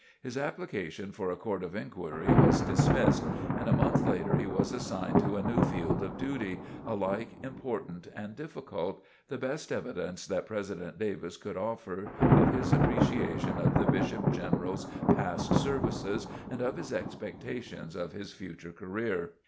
His application for a Court of Inquiry was dismissed and a month later he was assigned to a new field of duty, alike important and difficult the best evidence that President Davis could offer of his appreciation of the Bishop General's past services and of his expectations of his future career.